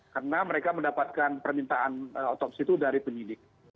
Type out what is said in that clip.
karena mereka mendapatkan permintaan otopsi itu dari penyidik